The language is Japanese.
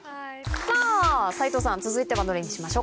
さぁ斉藤さん続いてはどれにしましょうか？